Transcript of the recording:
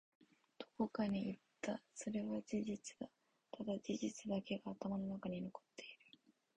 どこかに行った。それは事実だ。ただ、事実だけが頭の中に残っている。